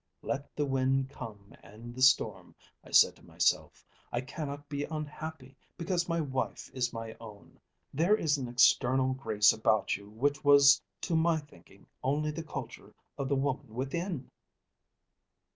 'Let the wind come and the storm,' I said to myself, 'I cannot be unhappy, because my wife is my own.' There is an external grace about you which was to my thinking only the culture of the woman within."